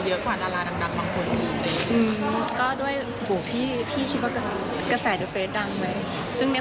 เหมือนเป็นไอจีเปล่าอะไรอย่างนี้